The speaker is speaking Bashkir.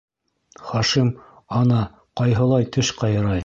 Хашим, ана, ҡайһылай теш ҡайрай.